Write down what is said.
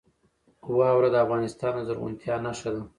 واوره د افغانستان د زرغونتیا نښه ده.